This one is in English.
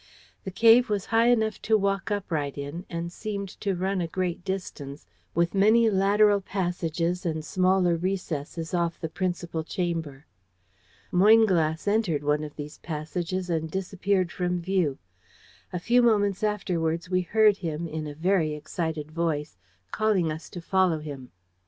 The cave was high enough to walk upright in, and seemed to run a great distance, with many lateral passages and smaller recesses off the principal chamber. Moynglass entered one of these passages and disappeared from view. A few moments afterwards we heard him, in a very excited voice, calling us to follow him.